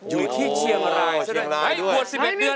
อยู่ที่เชียงรายให้บวช๑๑เดือน